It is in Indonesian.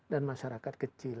dan masyarakat kecil